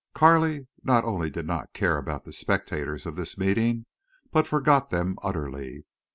Carley not only did not care about the spectators of this meeting, but forgot them utterly.